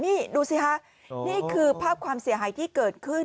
นี่ดูสิคะนี่คือภาพความเสียหายที่เกิดขึ้น